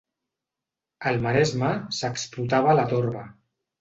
Al maresme s'explotava la torba.